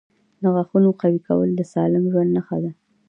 • د غاښونو قوي کول د سالم ژوند نښه ده.